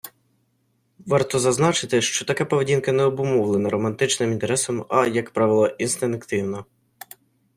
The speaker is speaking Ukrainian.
Варто зазначити, що така поведінка не обумовлена романтичним інтересом, а, як правило, інстинктивна.